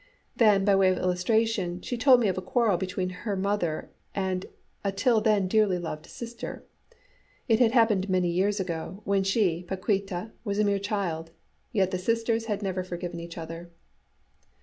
Then, by way of illustration, she told me of a quarrel between her mother and a till then dearly loved sister. It had happened many years ago, when she, Paquíta, was a mere child; yet the sisters had never forgiven each other.